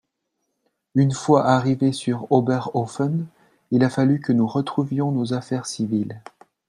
Une fois arrivé sur Oberhoffen il a fallu que nous retrouvions nos affaires civiles